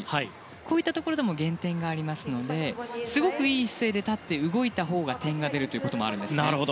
こういったところでも減点がありますのですごくいい姿勢で立って動いたほうが点が出るということもあるんですね。